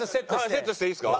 セットしていいですか？